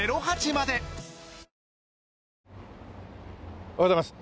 おはようございます。